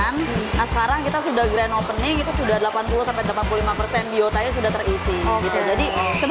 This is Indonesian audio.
nah sekarang kita sudah grand opening itu sudah delapan puluh sampai delapan puluh lima persen biotanya sudah terisi